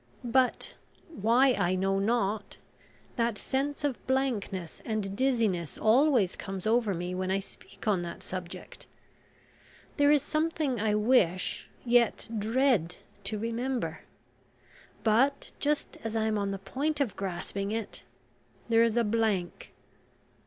"But, why I know not, that sense of blankness and dizziness always comes over me when I speak on that subject. There is something I wish, yet dread, to remember but, just as I am on the point of grasping it, there is a blank."